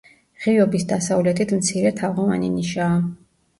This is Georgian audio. ღიობის დასავლეთით მცირე თაღოვანი ნიშაა.